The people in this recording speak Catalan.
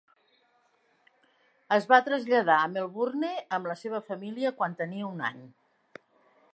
Es va traslladar a Melbourne amb la seva família quan tenia un any.